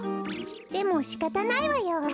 でもしかたないわよ。